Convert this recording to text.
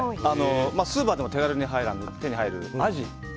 スーパーでも手軽に手に入るアジ。